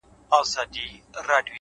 هره موخه د نظم غوښتنه کوي’